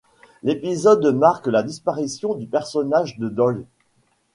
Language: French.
L'épisode marque la disparition du personnage de Doyle.